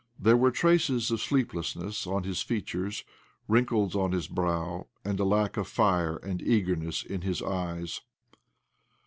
There were traces of sleeplessness on his features, wrinkles on his brow, and a lack of fire and eagerness in his eyes.